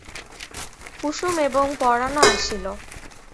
কুসুম এবং পরাণও আসিল।